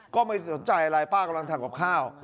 ก็ไม่สนใจอะไรป้ากำลังทำกับข้าว